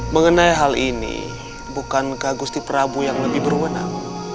mengenai hal ini bukan kagusti prabu yang lebih berwenang